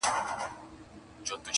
او رحم نه ښکاري